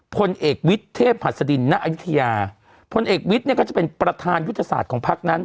พลเอกวิทย์เทพหัสดินณอายุทยาพลเอกวิทย์เนี่ยก็จะเป็นประธานยุทธศาสตร์ของพักนั้น